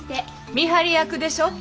見張り役でしょ。